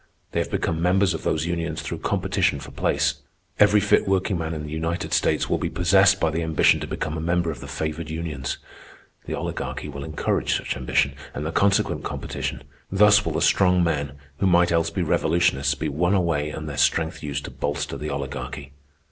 They have become members of those unions through competition for place. Every fit workman in the United States will be possessed by the ambition to become a member of the favored unions. The Oligarchy will encourage such ambition and the consequent competition. Thus will the strong men, who might else be revolutionists, be won away and their strength used to bolster the Oligarchy.